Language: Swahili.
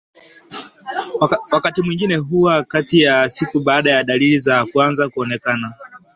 wakati mwingine huwa kati ya siku baada ya dalili za kwanza kuonekana